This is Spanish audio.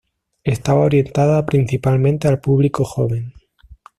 Estaba orientada principalmente al público joven.